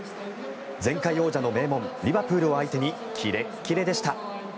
前回王者の名門リバプール相手にキレッキレでした。